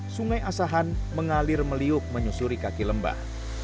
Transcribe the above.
sungai asahan mengalir meliuk menyusuri kaki lembah